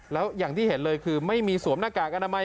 แล้วอย่างที่เห็นเลยคือไม่มีสวมหน้ากากอนามัย